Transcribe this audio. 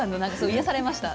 癒やされました。